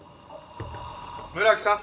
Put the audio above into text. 村木さん！